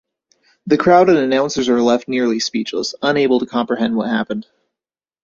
The crowd and announcers are left nearly speechless, unable to comprehend what happened.